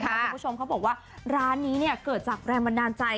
คุณผู้ชมเขาบอกว่าร้านนี้เกิดจากแรงบันดาลใจ